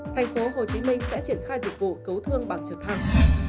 thành phố hồ chí minh sẽ triển khai dịch vụ cấu thương bằng trực thăng